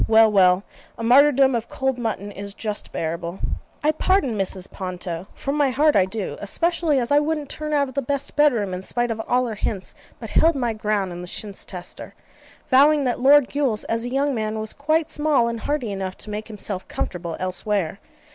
Well, well: a martyrdom of cold mutton is just bearable. I pardon Mrs. Ponto, from my heart I do, especially as I wouldn't turn out of the best bed room, in spite of all her hints; but held my ground in the chintz tester, vowing that Lord Gules, as a young man, was quite small and hardy enough to make himself comfortable elsewhere.